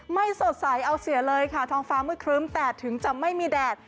สดใสเอาเสียเลยค่ะท้องฟ้ามืดครึ้มแต่ถึงจะไม่มีแดด